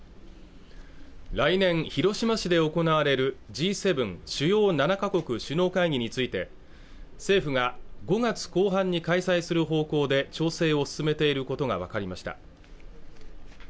来年広島市で行われるＧ７＝主要７か国首脳会議について政府が５月後半に開催する方向で調整を進めていることが分かりました